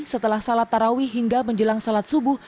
setelah salat tarawih hingga menjelang salat subuh